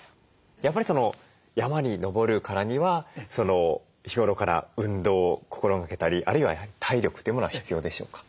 やっぱり山に登るからには日頃から運動を心がけたりあるいは体力というものは必要でしょうか？